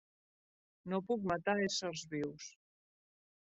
No puc matar éssers vius.